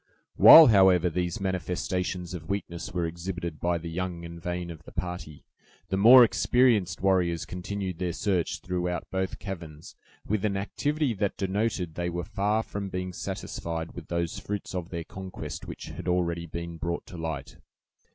While, however, these manifestations of weakness were exhibited by the young and vain of the party, the more experienced warriors continued their search throughout both caverns, with an activity that denoted they were far from being satisfied with those fruits of their conquest which had already been brought to light.